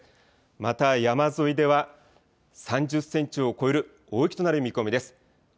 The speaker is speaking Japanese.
また山沿いでは３０センチを超える大雪となる見込みです。